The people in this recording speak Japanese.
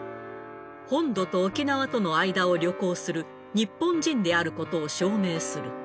本土と沖縄との間を旅行する日本人であることを証明する。